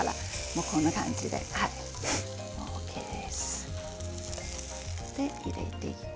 こんな感じでＯＫです。